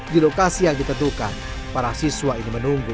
di lokasi yang ditentukan para siswa ini menunggu